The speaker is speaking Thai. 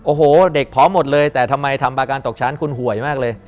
โอ้โหเด็กพร้อมหมดเลยแต่ทำไมทำบาการตกชั้นคุณหวยมากเลย